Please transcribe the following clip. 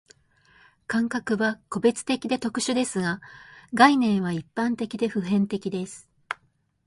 感覚は個別的で特殊ですが、概念は一般的で普遍的です。